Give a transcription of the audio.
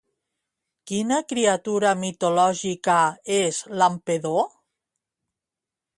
Quina criatura mitològica és Lampedo?